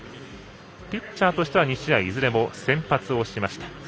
ピッチャーとしては２試合いずれも先発をしました。